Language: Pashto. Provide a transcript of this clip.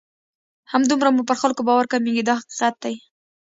همدومره مو پر خلکو باور کمیږي دا حقیقت دی.